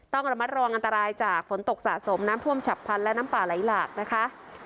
ต้องระมัดระวังอันตรายจากฝนตกสะสมน้ำท่วมฉับพันธ์และน้ำป่าไหลหลากนะคะ